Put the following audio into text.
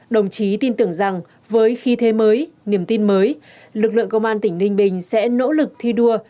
đồng chí tin tưởng rằng với khí thế mới niềm tin mới lực lượng công an tỉnh ninh bình sẽ nỗ lực thi đua